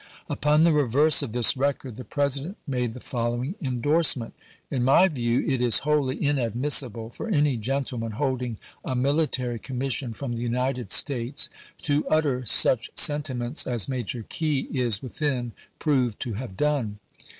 Upon the reverse of this record the President made the following indorsement : In my view it is wholly inadmissible for any gentleman holding a military commission from the United States to utter such sentiments as Major Key is within proved to have done.